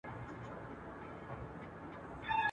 داسي وسوځېدم ولاړم لکه نه وم چا لیدلی !.